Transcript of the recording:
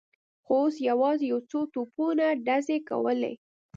خو اوس یوازې یو څو توپونو ډزې کولې.